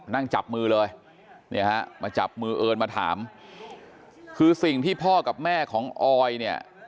นั่งจับมือเลยเนี่ยฮะมาจับมือเอิญมาถามคือสิ่งที่พ่อกับแม่ของออยเนี่ย